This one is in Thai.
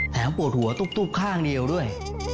ปวดหัวตุ๊บข้างเดียวด้วย